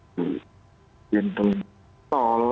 di pintu tol